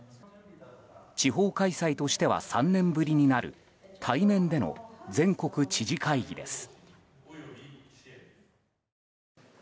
地方開催としては３年ぶりになる対面での全国知事会議です。